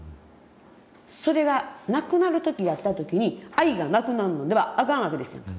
それがなくなる時やった時に愛がなくなるのではあかんわけですやんか。